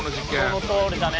このとおりだね。